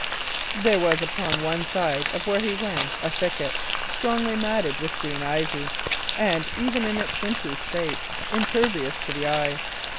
There was upon one side of where he went a thicket, strongly matted with green ivy, and, even in its winter state, impervious to the eye.